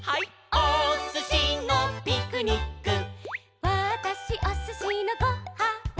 「おすしのピクニック」「わたしおすしのご・は・ん」